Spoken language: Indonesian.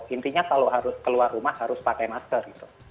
intinya kalau harus keluar rumah harus pakai masker gitu